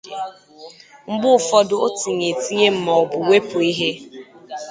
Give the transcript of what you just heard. mgbe ụfọdụ o tinye etinye maọbụ wepu ihe